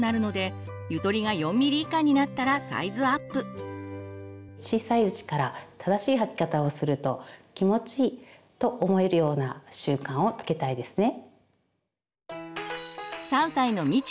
一般的に小さいうちから正しい履き方をすると「気持ちいい」と思えるような習慣をつけたいですね。